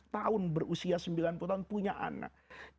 sembilan puluh tahun berusia sembilan puluh tahun punya anak